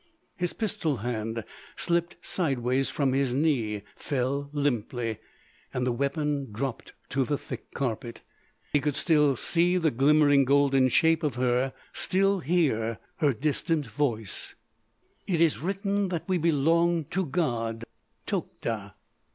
His pistol hand slipped sideways from his knee, fell limply, and the weapon dropped to the thick carpet. He could still see the glimmering golden shape of her, still hear her distant voice: "It is written that we belong to God.... Tokhta!..."